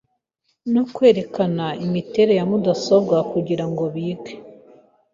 no kwerekana imiterere ya mudasobwa kugira ngo bige